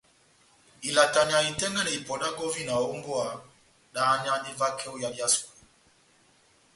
Ilataneya itɛ́ngɛ́nɛ ipɔ dá gɔvina ó mbówa dáháneyandi vakɛ ó yadi yá sukulu.